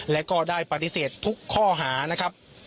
และก็ได้ปฏิเสธทุกข้อหานะครับ